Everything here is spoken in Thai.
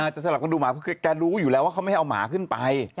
สลับกันดูหมาคือแกรู้อยู่แล้วว่าเขาไม่ให้เอาหมาขึ้นไป